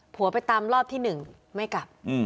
ผัวไปตามรอบที่๑ไม่กลับ